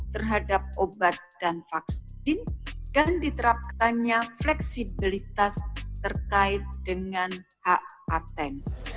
terhadap obat dan vaksin dan diterapkannya fleksibilitas terkait dengan hak aten